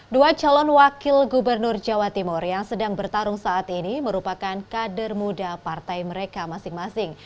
dua calon wakil gubernur jawa timur yang sedang bertarung saat ini merupakan kader muda partai mereka masing masing